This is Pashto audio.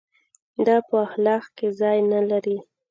دا په اخلاق کې ځای نه لري.